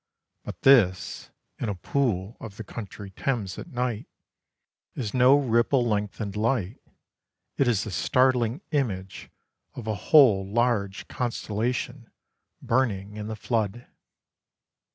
But this, in a pool of the country Thames at night, is no ripple lengthened light; it is the startling image of a whole large constellation burning in the flood.